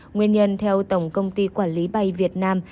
nguyên nhân theo tổng công ty quản lý bay việt nam